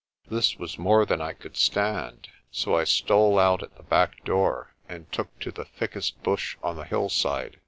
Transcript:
This was more than I could stand, so I stole out at the back door and took to the thickest bush on the hillside.